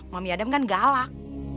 mami adam kan galak